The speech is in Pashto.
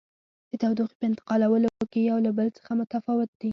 د تودوخې په انتقالولو کې یو له بل څخه متفاوت دي.